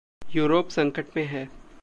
Europe संकट में है।